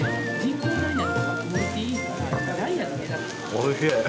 おいしい。